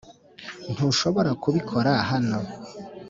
ntushobora kubikora hano